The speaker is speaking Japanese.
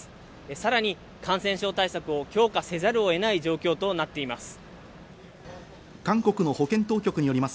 さらに感染症対策を強化せざるを得ない状況となっています。